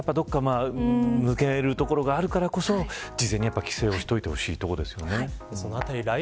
それでも、どこか抜ける所があるからこそ事前に規制をしておいてほしいということですよね。